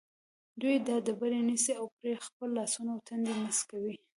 دوی دا ډبره نیسي او پرې خپل لاسونه او تندی مسح کوي.